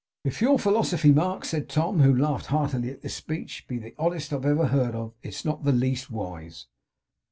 'If your philosophy, Mark,' said Tom, who laughed heartily at this speech, 'be the oddest I ever heard of, it is not the least wise.